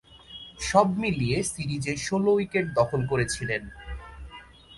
সব মিলিয়ে সিরিজে ষোল উইকেট দখল করেছিলেন।